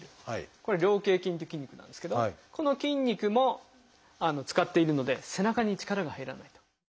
これは「菱形筋」っていう筋肉なんですけどこの筋肉も使っているので背中に力が入らない。